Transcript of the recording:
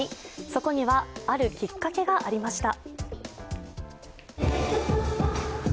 そこには、あるきっかけがありました。